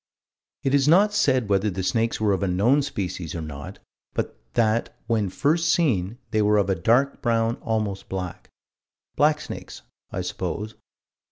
It is not said whether the snakes were of a known species or not, but that "when first seen, they were of a dark brown, almost black." Blacksnakes, I suppose.